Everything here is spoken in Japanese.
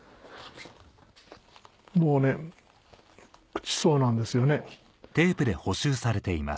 もうね朽ちそうなんですよね。